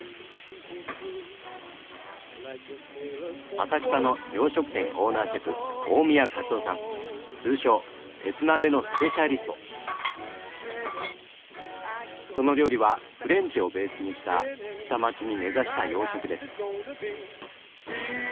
浅草の通称その料理はフレンチをベースにした下町に根ざした洋食です。